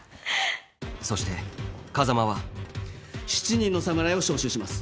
そして風真は７人の侍を招集します。